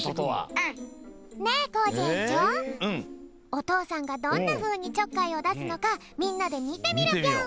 おとうさんがどんなふうにちょっかいをだすのかみんなでみてみるぴょん。